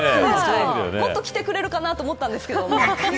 もっと来てくれるかと思ったんですけど。